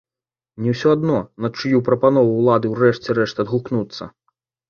Мне ўсё адно, на чыю прапанову ўлады ўрэшце рэшт адгукнуцца!